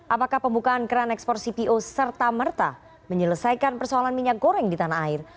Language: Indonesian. apakah pembukaan keran ekspor cpo serta merta menyelesaikan persoalan minyak goreng di tanah air